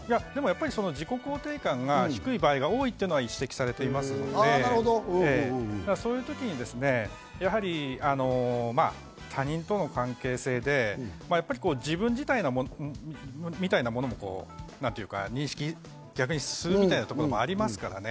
自己肯定感が低い場合が多いというのは指摘されていますので、そういう時に他人との関係性で、自分自体みたいなものを認識するみたいなものも逆にありますからね。